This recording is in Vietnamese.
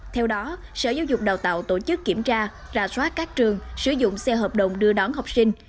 theo đó sở giáo dục đào tạo tổ chức kiểm tra rà soát các trường sử dụng xe hợp đồng đưa đón học sinh